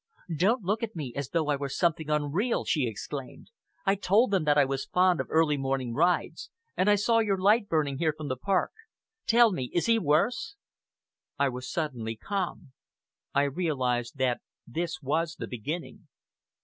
"Don't look at me as though I were something unreal!" she exclaimed. "I told them that I was fond of early morning rides, and I saw your light burning here from the park. Tell me is he worse?" I was suddenly calm. I realized that this was the beginning.